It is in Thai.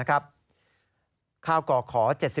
ข้าวก่อขอ๗๔